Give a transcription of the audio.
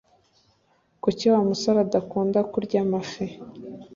Kuki Wa musore adakunda kurya amafi?